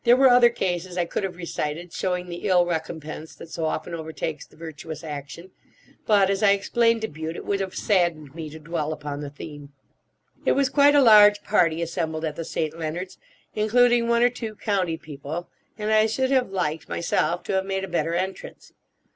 There were other cases I could have recited showing the ill recompense that so often overtakes the virtuous action; but, as I explained to Bute, it would have saddened me to dwell upon the theme. It was quite a large party assembled at the St. Leonards', including one or two county people, and I should have liked, myself, to have made a better entrance.